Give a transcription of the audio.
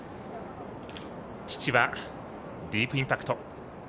父は、ディープインパクト。